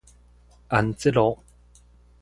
安捷路